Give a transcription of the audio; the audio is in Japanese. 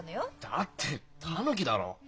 だってタヌキだろ？